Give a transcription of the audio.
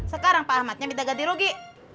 sekarang pak ahmadnya minta ganti rugi